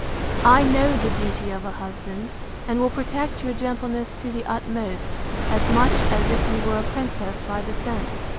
I know the duty of a husband, and will protect your gentleness to the utmost, as much as if you were a princess by descent.